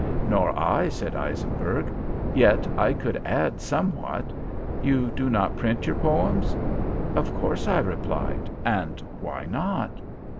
"Nor I," said Eisenberg. "Yet I could add somewhat. You do not print your poems?" "Of course," I replied, "and why not?"